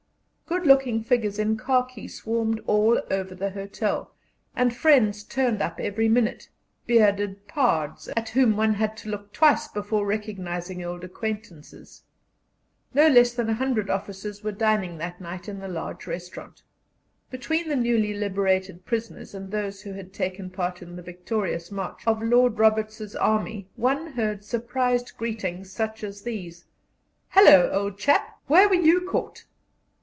Good looking figures in khaki swarmed all over the hotel, and friends turned up every minute bearded pards, at whom one had to look twice before recognizing old acquaintances. No less than a hundred officers were dining that night in the large restaurant. Between the newly liberated prisoners and those who had taken part in the victorious march of Lord Roberts's army one heard surprised greetings such as these: "Hallo, old chap! where were you caught?"